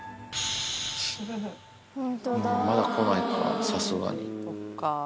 まだ来ないか、さすがに。